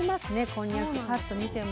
こんにゃくぱっと見ても。